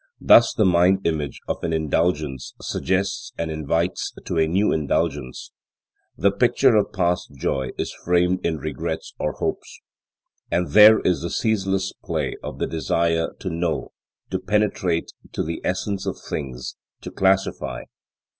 Thus the mind image of an indulgence suggests and invites to a new indulgence; the picture of past joy is framed in regrets or hopes. And there is the ceaseless play of the desire to know, to penetrate to the essence of things, to classify.